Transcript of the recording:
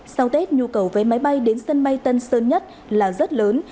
sau tết nhu cầu vé máy bay đến sân bay tân sơn nhất là rất lớn